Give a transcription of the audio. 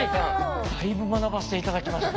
だいぶ学ばせて頂きました。